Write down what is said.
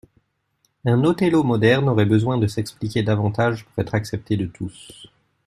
Un Othello moderne aurait besoin de s’expliquer davantage pour être accepté de tous.